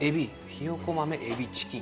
ひよこ豆エビチキン。